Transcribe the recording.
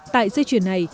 tại dây chuyển này